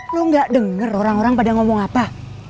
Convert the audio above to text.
lo gak denger orang orang pada ngomong apa